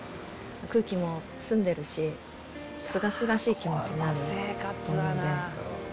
空気も澄んでるし、すがすがしい気持ちになると思うので。